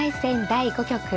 第５局。